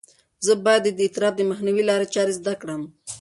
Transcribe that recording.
زه باید د اضطراب د مخنیوي لارې چارې زده کړم.